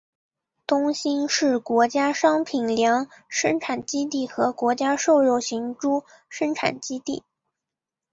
东兴是国家商品粮生产基地和国家瘦肉型猪生产基地。